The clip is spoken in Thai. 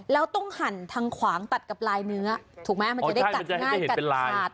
แล้วต้องหั่นทางขวางตัดกับลายเนื้อถูกไหมมันจะได้กัดง่ายกัดขาด